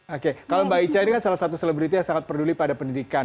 oke kalau mbak ica ini kan salah satu selebriti yang sangat peduli pada pendidikan